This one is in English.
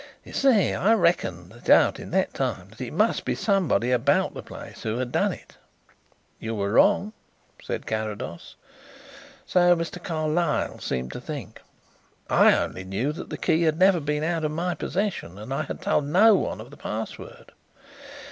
"You see, I reckoned it out in that time that it must be someone about the place who had done it." "You were wrong," said Carrados. "So Mr. Carlyle seemed to think. I only knew that the key had never been out of my possession and I had told no one of the password.